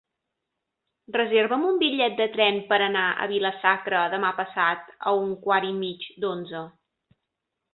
Reserva'm un bitllet de tren per anar a Vila-sacra demà passat a un quart i mig d'onze.